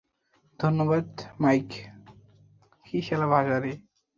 ধন্যবাদ, মাইক।